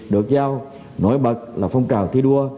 được giao nổi bật là phong trào thi đua